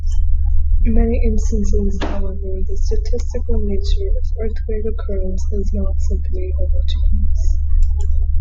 In many instances, however, the statistical nature of earthquake occurrence is not simply homogeneous.